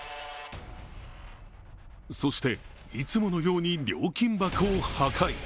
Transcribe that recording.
そしていつものように料金箱を破壊。